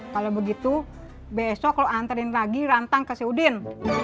kalau begitu besok lu anterin lagi rantang ke syaudin